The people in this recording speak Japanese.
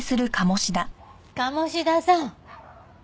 鴨志田さん！